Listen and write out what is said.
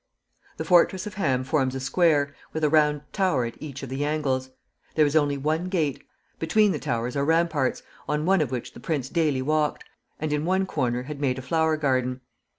The fortress of Ham forms a square, with a round tower at each of the angles. There is only one gate. Between the towers are ramparts, on one of which the prince daily walked, and in one corner had made a flower garden.